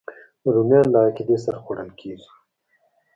رومیان له عقیدې سره خوړل کېږي